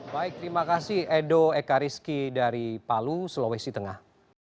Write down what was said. baik terima kasih edo ekariski dari palu sulawesi tengah